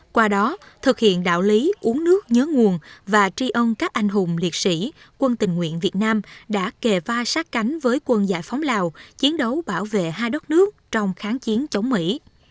qua đó thực hiện đạo lý uống nước nhớ nguồn và tri ân các anh hùng liệt sĩ quân tình nguyện việt nam đã kề vai sát cánh với quân giải phóng lào chiến đấu bảo vệ hai đất nước trong kháng chiến chống mỹ